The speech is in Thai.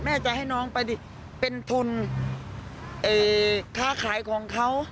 จะให้น้องไปเป็นทุนค้าขายของเขา